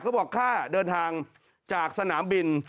เขาบอกค่าเดินทางจากสนามบิน